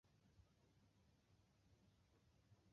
Uriya mukobwa aseka neza ariko afite impingikirane